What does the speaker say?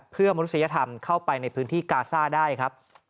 เพื่อมนุษยธรรมเข้าไปในพื้นที่กาซ่าได้ครับ